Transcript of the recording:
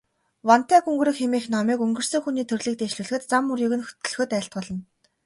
Вантай гүнгэрэг хэмээх номыг өнгөрсөн хүний төрлийг дээшлүүлэхэд, зам мөрийг нь хөтлөхөд айлтгуулна.